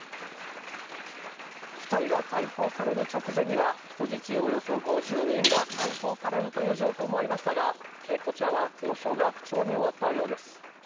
２人が解放される直前には人質およそ５０人が解放されるという情報もありましたがこちらは交渉が不調に終わったようです。